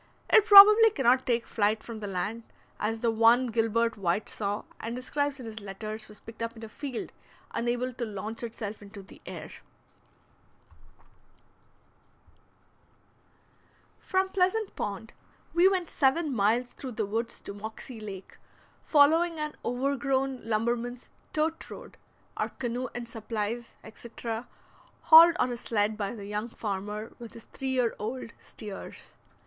It probably cannot take flight from the land, as the one Gilbert White saw and describes in his letters was picked up in a field, unable to launch itself into the air. From Pleasant Pond we went seven miles through the woods to Moxie Lake, following an overgrown lumberman's "tote" road, our canoe and supplies, etc., hauled on a sled by the young farmer with his three year old steers.